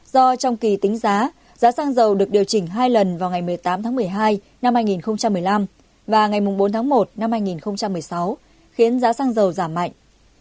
khiến giá xăng dầu giảm mạnh